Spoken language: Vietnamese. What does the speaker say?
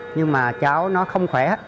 nhưng mà cháu nó không khỏe